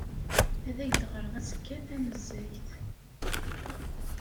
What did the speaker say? Ad ak-d-ɣreɣ azekka tanezzayt.